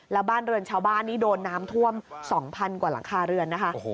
แล้วบ้านเรือนชาวบ้านนี่โดนน้ำท่วม๒๐๐กว่าหลังคาเรือนนะคะ